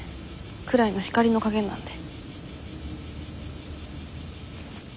暗いの光の加減なんで。